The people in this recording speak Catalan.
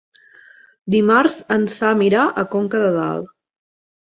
Dimarts en Sam irà a Conca de Dalt.